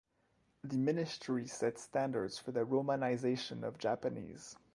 The Ministry sets standards for the romanization of Japanese.